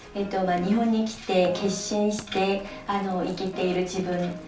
まあ日本に来て決心して生きている自分。